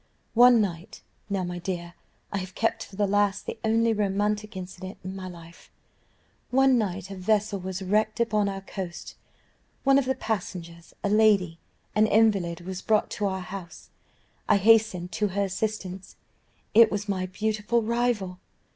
"One night now, my dear, I have kept for the last the only romantic incident in my life one night, a vessel was wrecked upon our coast; one of the passengers, a lady, an invalid, was brought to our house; I hastened to her assistance it was my beautiful rival!